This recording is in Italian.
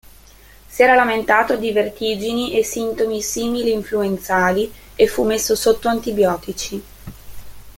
Si era lamentato di vertigini e sintomi simil-influenzali e fu messo sotto antibiotici.